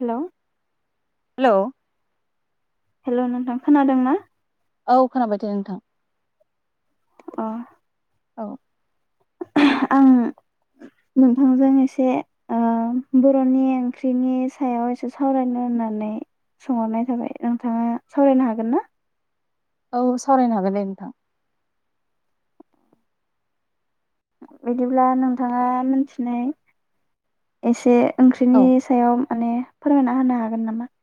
हेल'। Hello. Hello नोंथां खोनादों ना। औ खोनाबाय दे नोंथां। अ। औ। आं नोंथांजों एसे। ओ बर'नि ओंख्रिनि सायाव एसे सावरायनो होननानै। सोंहरनाय थाबाय नोंथाङा सावरायनो हागोन ना। औ सावरायनो हागोन दे नोंथां। बिदिब्ला नोंथाङा मोनथिनाय एसे औ ओंख्रिनि सायाव। माने फोरमायना होनो हागोन नामा।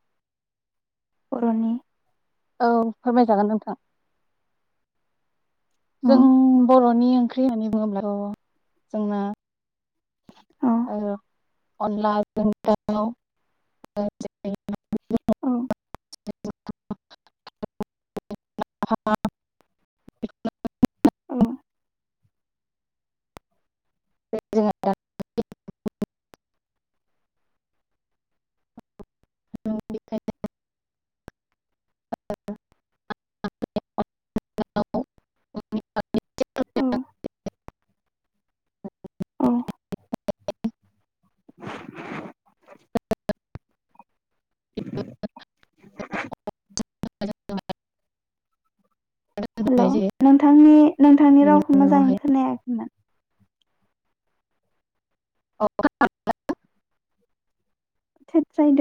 बर'नि। औ फोरमायजागोन नोंथां औ जों बर'नि नि ओंख्रि होननानै बुङोब्लाथ' जोंना। औ ओ अनलाजों दाव। औ। औ। [unintelligible] [inaudible] [inaudible] औ [unintelligible] [inaudible] [inaudible] [inaudible] [unintelligible] [unintelligible] हेल नोंथांनि नोंथांनि बिनि रावखौ मोजाङै उनावहाय खोनायाखैमोन। [unintelligible] थेथसायदो।